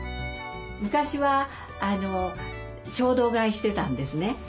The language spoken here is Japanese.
昔は衝動買いしてたんですね。